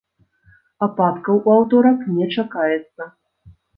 Ападкаў у аўторак не чакаецца.